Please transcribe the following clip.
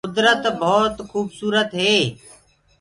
ڪُدرت ڀوت کوُبسوُرت هي۔